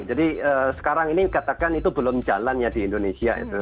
jadi sekarang ini katakan itu belum jalannya di indonesia itu